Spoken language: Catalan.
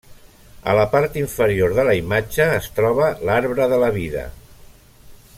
A la part inferior de la imatge es troba l'Arbre de la Vida.